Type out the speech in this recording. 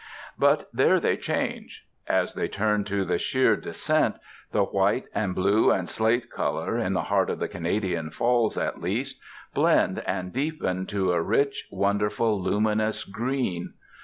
But there they change. As they turn to the sheer descent, the white and blue and slate color, in the heart of the Canadian Falls at least, blend and deepen to a rich, wonderful, luminous green.